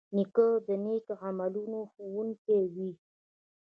نیکه د نیک عملونو ښوونکی وي.